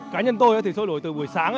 cá nhân tôi thì sôi lỗi từ buổi sáng